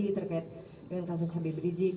terkait dengan kasus habib rizik